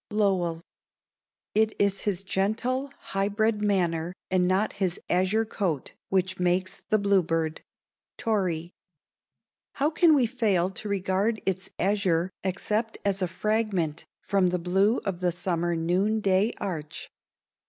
Lowell. It is his gentle, high bred manner and not his azure coat which makes the bluebird. Torrey. How can we fail to regard its azure except as a fragment from the blue of the summer noonday arch?